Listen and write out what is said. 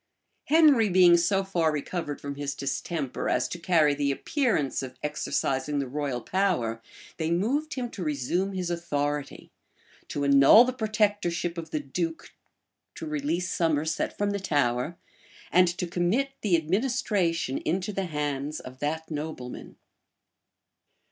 Henry being so far recovered from his distemper, as to carry the appearance of exercising the royal power, they moved him to resume his authority, to annul the protectorship of the duke to release Somerset from the Tower,[*] and to commit the administration into the hands of that nobleman.